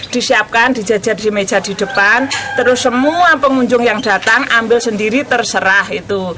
disiapkan dijajar di meja di depan terus semua pengunjung yang datang ambil sendiri terserah itu